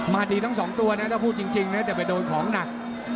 ดีทั้งสองตัวนะถ้าพูดจริงนะจะไปโดนของหนัก